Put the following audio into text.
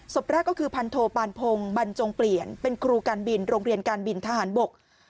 ศพแรกก็คือพันโทปานพงศ์บรรจงเปลี่ยนเป็นครูการบินโรงเรียนการบินทหารบก